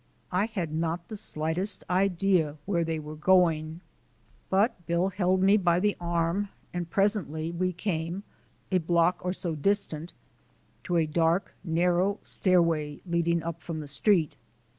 I had not the slightest idea where they were going, but Bill held me by the arm and presently we came, a block or so distant, to a dark, narrow stairway leading up from the street.